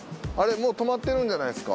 もう停まってるんじゃないですか？